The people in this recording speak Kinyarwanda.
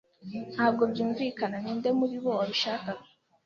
Ntabwo byumvikana ninde muribo wabishakaga.